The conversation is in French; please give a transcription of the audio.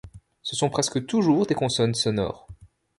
Ce sont presque toujours des consonnes sonores.